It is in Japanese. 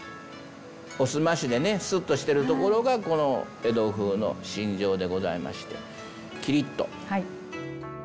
お澄ましでねスッとしてるところがこの江戸風の信条でございましてキリッと。